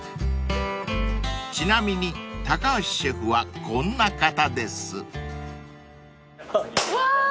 ［ちなみに高橋シェフはこんな方です］わ！